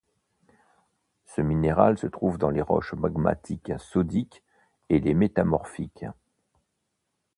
Ce minéral se trouve dans les roches magmatiques sodiques et les métamorphiques.